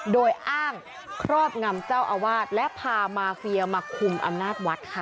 โดยอ้างครอบงำเจ้าอาวาสและพามาเฟียมาคุมอำนาจวัดค่ะ